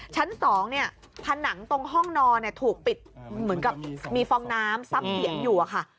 ชั้น๒เนี่ยผนังตรงห้องนอนถูกปิดเหมือนกับมีฟองน้ำซับเสียงอยู่อะค่ะ